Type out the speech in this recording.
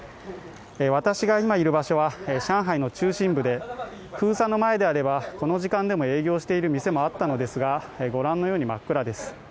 私が今いる場所は上海の中心部で封鎖の前であれば、この時間でも営業している店もあったのですがご覧のように真っ暗です。